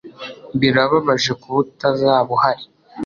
Birababaje kuba utazaba uhari